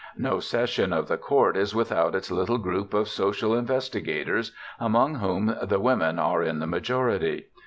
No session of the court is without its little group of social investigators, among whom the women are in the majority.